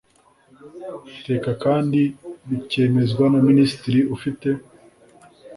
teka kandi rukemezwa na Minisitiri ufite